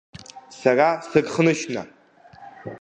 Сара сырхнышьна…